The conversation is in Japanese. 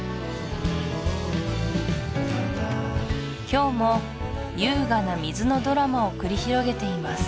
今日も優雅な水のドラマを繰り広げています